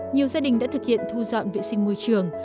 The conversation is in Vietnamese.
nhiều gia đình đã thực hiện thu dọn vệ sinh môi trường